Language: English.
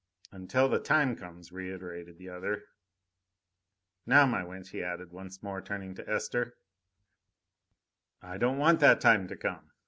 "Until the time comes," reiterated the other. "Now, my wench," he added, once more turning to Esther, "I don't want that time to come.